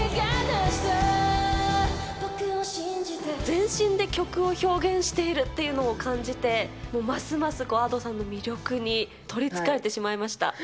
全身で曲を表現しているというのを感じて、もうますますＡｄｏさんの魅力に取りつかれてしまいました。